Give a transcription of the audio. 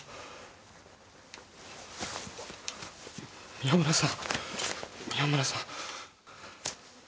宮村さん宮村さん